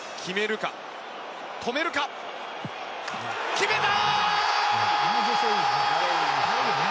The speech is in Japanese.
決めた！